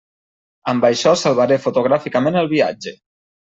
Amb això salvaré fotogràficament el viatge.